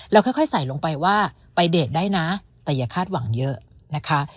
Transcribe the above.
ค่อยใส่ลงไปว่าไปเดทได้นะแต่อย่าคาดหวังเยอะนะคะ